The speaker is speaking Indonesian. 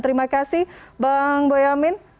terima kasih bang boyamin